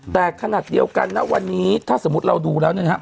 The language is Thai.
แต่ขนาดเดียวกันนะวันนี้ถ้าสมมุติเราดูแล้วเนี่ยนะครับ